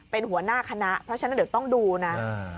เป็นหัวหน้าคณะเพราะฉะนั้นเดี๋ยวต้องดูนะ